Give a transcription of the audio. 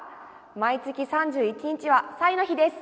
毎月３１日は菜の日です。